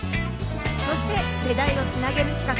そして世代をつなげる企画